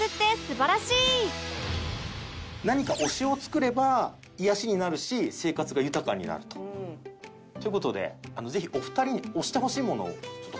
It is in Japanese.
何か推しを作れば癒やしになるし生活が豊かになると。という事でぜひお二人に推してほしいものをちょっと提案しようかなと。